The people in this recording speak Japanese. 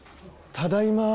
ただいま。